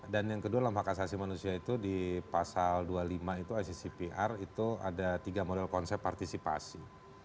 dan yang kedua dalam hak asasi manusia itu di pasal dua puluh lima itu iccpr itu ada tiga model konsep partisipasi